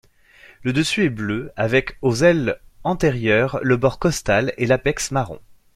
Le dessus est bleu avec aux ailes antérieures le bord costal et l'apex marron.